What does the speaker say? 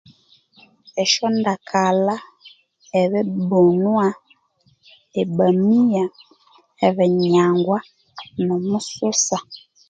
Esyondakalha, ebibunwa, e bamia, ebinyangwa nomususa.